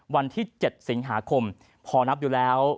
วันที่๗สิงหาคมพอนับดูแล้ว